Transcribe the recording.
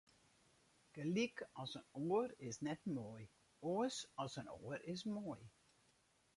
Gelyk as in oar is net moai, oars as in oar is moai.